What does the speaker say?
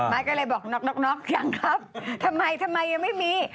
ก็เลยบอกน้องยังครับทำไมทำไมยังไม่มี